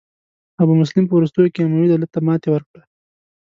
ابو مسلم په وروستیو کې اموي دولت ته ماتې ورکړه.